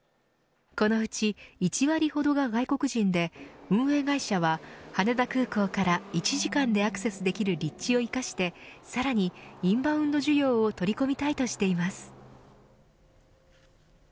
このうち１割ほどが外国人で運営会社は羽田空港から１時間でアクセスできる立地を生かしてさらにインバウンド需要を取り込みたいとしています。